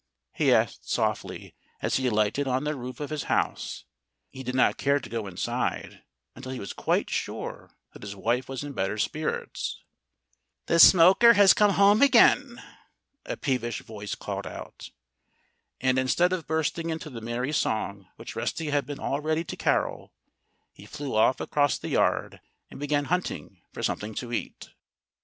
he asked softly, as he alighted on the roof of his house. He did not care to go inside until he was quite sure that his wife was in better spirits. "The smoker has come home again," a peevish voice called out. And instead of bursting into the merry song which Rusty had been all ready to carol, he flew off across the yard and began hunting for something to eat.